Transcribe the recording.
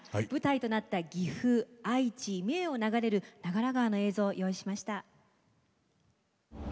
舞台となった岐阜愛知三重を流れる長良川の映像を用意しました。